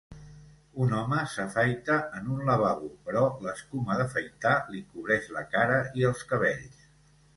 Un home s'afaita en un lavabo però l'escuma d'afaitar li cobreix la cara i els cabells